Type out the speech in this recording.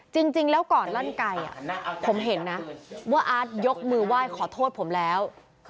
จริงแล้วก่อนลั่นไก่ผมเห็นนะว่าอาร์ตยกมือไหว้ขอโทษผมแล้ว